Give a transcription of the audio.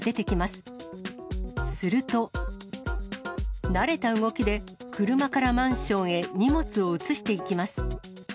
すると、慣れた動きで車からマンションへ荷物を移していきます。